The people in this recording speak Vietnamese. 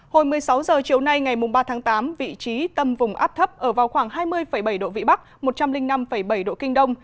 hồi một mươi sáu h chiều nay ngày ba tháng tám vị trí tâm vùng áp thấp ở vào khoảng hai mươi bảy độ vĩ bắc một trăm linh năm bảy độ kinh đông